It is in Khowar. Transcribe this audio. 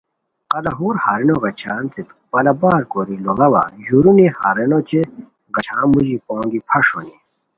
قلاہور ہارینو غیچھانتے برابر کوری لوڑاوا ژورونی ہارینو اوچے غیچھان موژی پونگی پھش ہونی